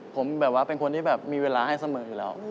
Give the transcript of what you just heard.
ผมแบบว่าเป็นคนที่แบบมีเวลาให้เสมออยู่แล้ว